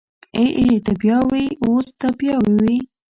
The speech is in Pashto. ای ای ته بيا ووی اوس ته بيا ووی.